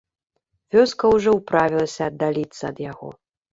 Вёска ўжо ўправілася аддаліцца ад яго.